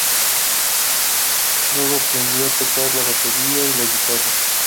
Luego aprendió a tocar la batería y la guitarra.